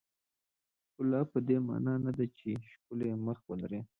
ښکلا پدې معنا نه ده چې ښکلی مخ ولرئ.